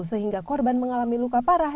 sehingga korban mengalami luka parah